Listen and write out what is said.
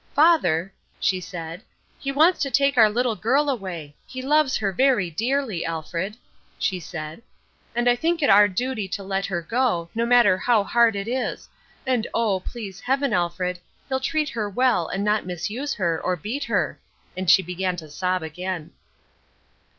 "Father," she said, "he wants to take our little girl away. He loves her very dearly, Alfred," she said, "and I think it our duty to let her go, no matter how hard it is, and oh, please Heaven, Alfred, he'll treat her well and not misuse her, or beat her," and she began to sob again.